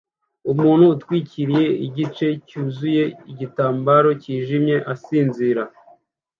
Umuntu utwikiriye igice cyuzuye igitambaro cyijimye asinzira